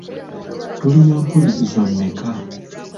Tulina mpulirizwa mmeka?